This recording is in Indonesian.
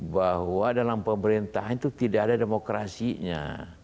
bahwa dalam pemerintahan itu tidak ada demokrasinya